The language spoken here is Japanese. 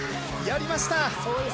やりました。